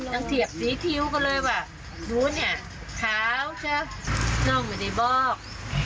ยังเตียบซีทิ้วก็เลยว่ะดูเนี่ยภาวชะน่าจะบอก